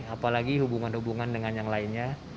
apalagi hubungan hubungan dengan yang lainnya